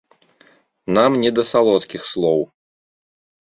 Нам не да салодкіх слоў.